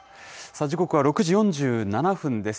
時刻は６時４７分です。